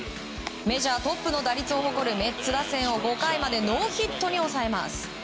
メジャートップの打率を誇るメッツ打線を５回までノーヒットに抑えます。